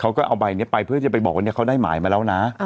เขาก็เอาใบนี้ไปเพื่อจะไปบอกว่าเขาได้หมายมาแล้วนะ